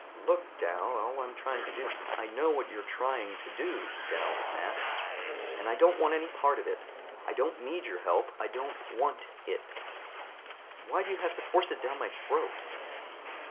"Look, Dal, all I'm trying to do " "I know what you're trying to do," Dal snapped, "and I don't want any part of it. I don't need your help, I don't want it. Why do you have to force it down my throat?"